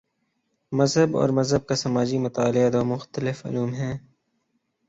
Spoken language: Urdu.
مذہب اور مذہب کا سماجی مطالعہ دو مختلف علوم ہیں۔